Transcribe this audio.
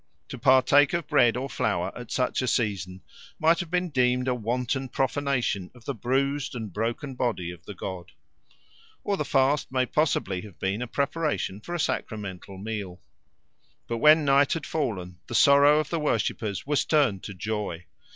To partake of bread or flour at such a season might have been deemed a wanton profanation of the bruised and broken body of the god. Or the fast may possibly have been a preparation for a sacramental meal. But when night had fallen, the sorrow of the worshippers was turned to joy.